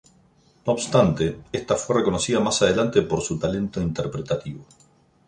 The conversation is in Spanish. No obstante, esta fue reconocida más adelante por su talento interpretativo.